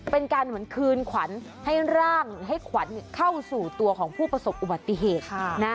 เป็นการเหมือนคืนขวัญให้ร่างให้ขวัญเข้าสู่ตัวของผู้ประสบอุบัติเหตุ